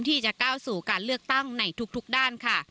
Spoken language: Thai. ที่จะก้าวสู่การเลือกตั้งในทุกด้านค่ะ